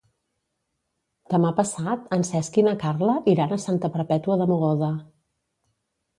Demà passat en Cesc i na Carla iran a Santa Perpètua de Mogoda.